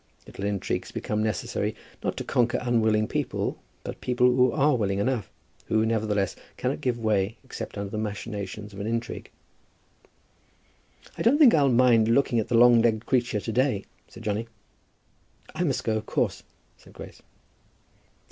Little intrigues become necessary, not to conquer unwilling people, but people who are willing enough, who, nevertheless, cannot give way except under the machinations of an intrigue. "I don't think I'll mind looking at the long legged creature to day," said Johnny. "I must go, of course," said Grace.